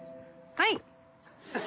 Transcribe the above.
はい！